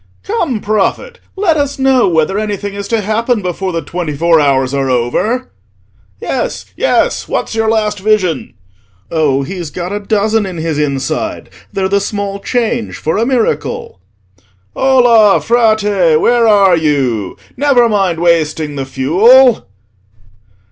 "Come Prophet, let us know whether anything is to happen before the twenty four hours are over!" "Yes, yes, what's your last vision?" "Oh, he's got a dozen in his inside; they're the small change for a miracle!" "Ola, Frate, where are you? Never mind wasting the fuel!"